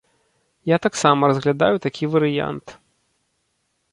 Я таксама разглядаю такі варыянт.